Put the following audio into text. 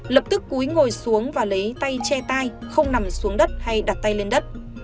lập tức cúi ngồi xuống và lấy tay che tay không nằm xuống đất hay đặt tay lên đất